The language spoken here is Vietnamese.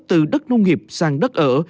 từ đất nông nghiệp sang đất ở